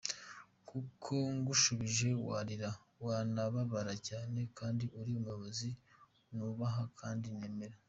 Kuko ngushubije warira wanababara cyanee kandi uri umuyobozi nubaha kandi nemera.